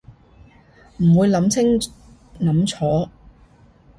唔會諗清諗楚